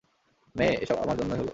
মে, এসব আমার জন্য হলো।